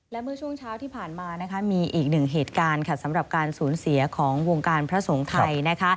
และเมื่อช่วงเช้าที่ผ่านมานะคะมีอีกหนึ่งเหตุการณ์ค่ะสำหรับการสูญเสียของวงการพระสงฆ์ไทยนะคะ